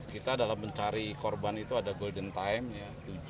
kita dalam mencari korban itu ada golden time ya